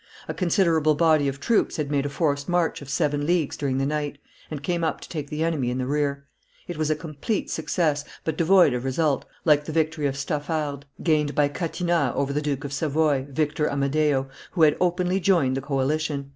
A considerable body of troops had made a forced march of seven leagues during the night, and came up to take the enemy in the rear; it was a complete success, but devoid of result, like the victory of Stafarde, gained by Catinat over the Duke of Savoy, Victor Amadeo, who had openly joined the coalition.